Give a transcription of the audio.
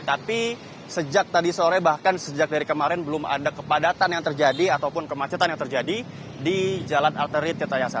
tapi sejak tadi sore bahkan sejak dari kemarin belum ada kepadatan yang terjadi ataupun kemacetan yang terjadi di jalan arteri tirta yasa